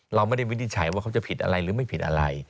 เราไม่ได้วินิจฉัยว่าเขาจะผิดอะไรหรือไม่ผิดอะไร